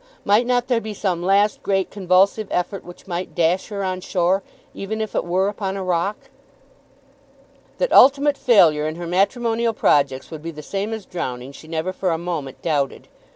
might not there be some last great convulsive effort which might dash her on shore, even if it were upon a rock! That ultimate failure in her matrimonial projects would be the same as drowning she never for a moment doubted.